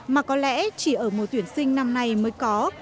mà có lẽ chỉ ở mùa tuyển sinh năm nay mới có